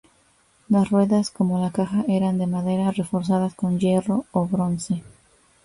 Las ruedas, como la caja, eran de madera, reforzadas con hierro o bronce.